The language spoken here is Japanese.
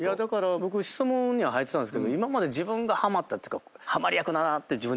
僕質問には入ってたけど今まで自分がはまったっていうか。